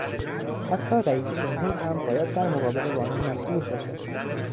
حتی رئیسجمهور هم باید در مقابل قانون مسئول باشد.